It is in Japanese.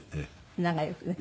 仲良くね。